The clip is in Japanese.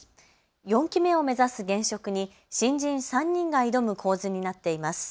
４期目を目指す現職に新人３人が挑む構図になっています。